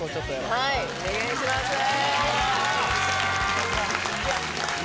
はいお願いします